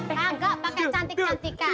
enggak pakai cantik cantikan